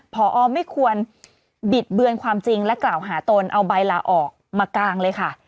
พอไม่ควรบิดเบือนความจริงและกล่าวหาตนเอาใบลาออกมากางเลยค่ะ